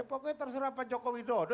pokoknya terserah pak joko widodo